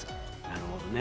なるほどね。